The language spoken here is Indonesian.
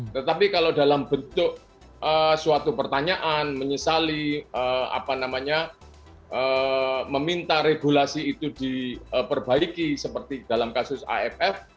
tetapi kalau dalam bentuk suatu pertanyaan menyesali meminta regulasi itu diperbaiki seperti dalam kasus aff